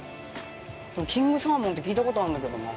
キングサーモンって聞いたことあんだけどな。